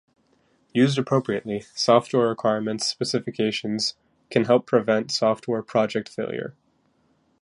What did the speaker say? Used appropriately, software requirements specifications can help prevent software project failure.